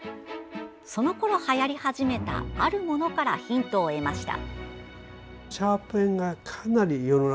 そのころ、はやり始めたあるものからヒントを得ました。